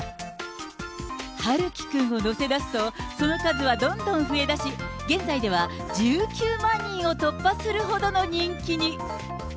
陽喜くんを載せだすと、その数はどんどん増えだし、現在では１９万人を突破するほどの人気に。